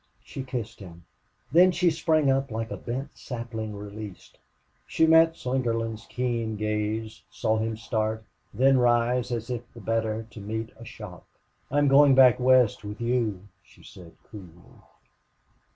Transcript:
She kissed him. Then she sprang up like a bent sapling released. She met Slingerland's keen gaze saw him start then rise as if the better to meet a shock. "I am going back West with you," she said, coolly.